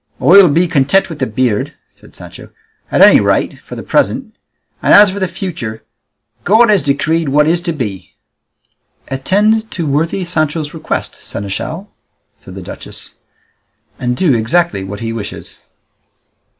"I'll be content with the beard," said Sancho, "at any rate for the present; and as for the future, God has decreed what is to be." "Attend to worthy Sancho's request, seneschal," said the duchess, "and do exactly what he wishes."